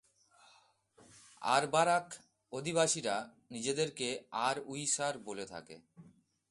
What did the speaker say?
আরবারাখ অধিবাসীরা নিজেদেরকে "আরউইশার" বলে থাকে।